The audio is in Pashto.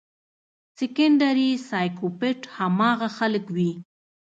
سيکنډري سائکوپېت هاغه خلک وي